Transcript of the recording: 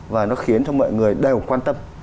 và nó khiến cho mọi người đều quan tâm